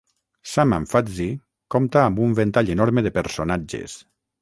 "Sam and Fuzzy" compta amb un ventall enorme de personatges.